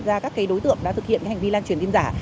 ra các đối tượng đã thực hiện hành vi lan truyền tin giả